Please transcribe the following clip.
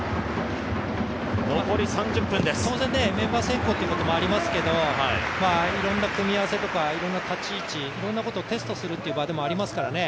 当然、メンバー選考ということもありますけどいろんな組み合わせとかいろんな立ち位置、いろんなことをテストするっていう場でもありますからね。